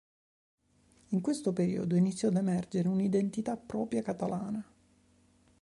In questo periodo iniziò ad emergere una identità propria catalana.